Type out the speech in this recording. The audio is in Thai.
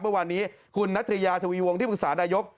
เมื่อวานนี้คุณนัทยาทวีวงที่ปรึกษานายก